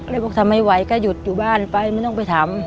บอกทำไม่ไหวก็หยุดอยู่บ้านไปไม่ต้องไปทำ